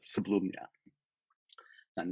saya sudah tua